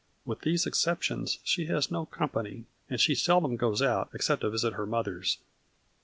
With these exceptions she has no com pany, and she seldom goes out, except to visit at her mother's."